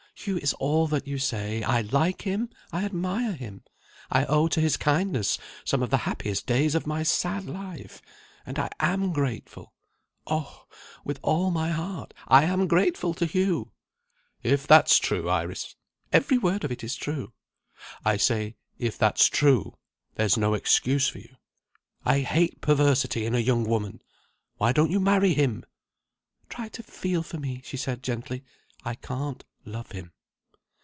"Hugh is all that you say. I like him; I admire him; I owe to his kindness some of the happiest days of my sad life, and I am grateful oh, with all my heart, I am grateful to Hugh!" "If that's true, Iris " "Every word of it is true." "I say, if that's true there's no excuse for you. I hate perversity in a young woman! Why don't you marry him?" "Try to feel for me," she said gently; "I can't love him."